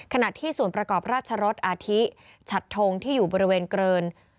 ขณะที่ส่วนประกอบราชรสอาทิฉัดทงที่อยู่บริเวณเกริน